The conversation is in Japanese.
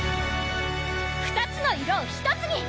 ２つの色を１つに！